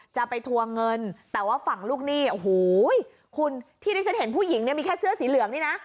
จะไปทวงเงินแต่ว่าฝั่งลูกหนี้โอ้โหคุณที่ที่ฉันเห็นผู้หญิงเนี่ยมีแค่เสื้อสีเหลืองนี่นะ